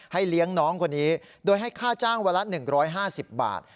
ให้เลี้ยงน้องคนนี้โดยให้ค่าจ้างเวลาหนึ่งร้อยห้าบาท